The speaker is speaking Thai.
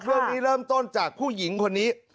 เรื่องนี้เริ่มต้นจากผู้หญิงคนนี้